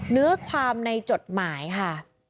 เนื้อความในจดหมายค่ะ